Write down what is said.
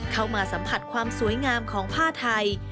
เข้ามาสัมผัสความสวยงามของผ้าไทย